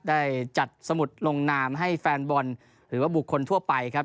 ได้จัดสมุดลงนามให้แฟนบอลหรือว่าบุคคลทั่วไปครับ